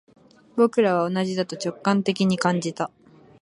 僕らは同じだと直感的に感じた